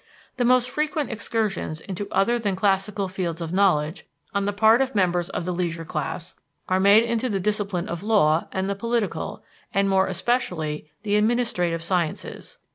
The most frequent excursions into other than classical fields of knowledge on the part of members of the leisure class are made into the discipline of law and the political, and more especially the administrative, sciences.